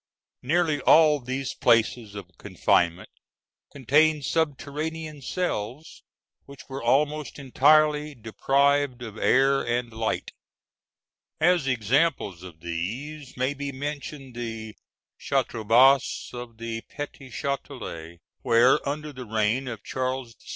Nearly all these places of confinement contained subterranean cells, which were almost entirely deprived of air and light. As examples of these may be mentioned the Chartres basses of the Petit Châtelet, where, under the reign of Charles VI.